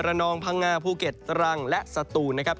นองพังงาภูเก็ตตรังและสตูนนะครับ